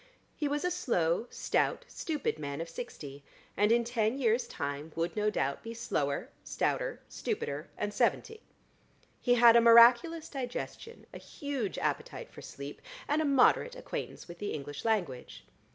He was a slow, stout, stupid man of sixty, and in ten years' time would no doubt be slower, stouter, stupider and seventy. He had a miraculous digestion, a huge appetite for sleep, and a moderate acquaintance with the English language.